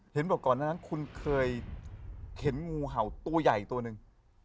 เขียนว่าก่อนนั้นคุณเคยเห็นงูเห่าตัวใหญ่ตัวนึง